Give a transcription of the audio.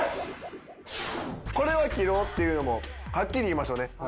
これは切ろうっていうのもはっきり言いましょうね。